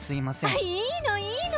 あっいいのいいの！